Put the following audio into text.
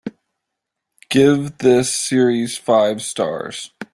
Give this series five stars.